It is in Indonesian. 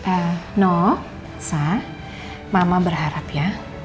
eee noh sah mama berharap ya